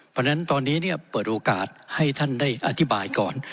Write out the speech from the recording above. เพราะฉะนั้นตอนนี้เปิดโอกาสให้ท่านได้อธิบายก่อน